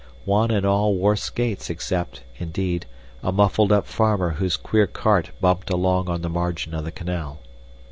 One and all wore skates except, indeed, a muffled up farmer whose queer cart bumped along on the margin of the canal.